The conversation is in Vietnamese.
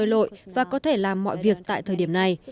họ thích sống ở biển mơ lội và có thể làm mọi việc tại thời điểm này